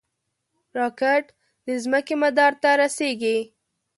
راکټ د ځمکې مدار ته رسېږي